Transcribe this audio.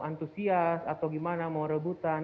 antusias atau gimana mau rebutan